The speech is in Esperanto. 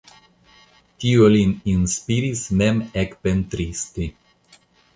Tio lin inspiris mem ekpentristi.